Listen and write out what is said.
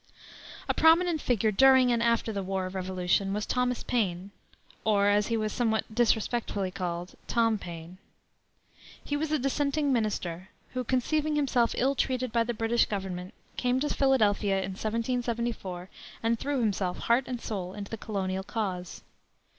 A prominent figure during and after the War of the Revolution was Thomas Paine, or, as he was somewhat disrespectfully called, "Tom Paine." He was a dissenting minister who, conceiving himself ill treated by the British Government, came to Philadelphia in 1774 and threw himself heart and soul into the colonial cause.